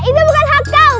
itu bukan hak kau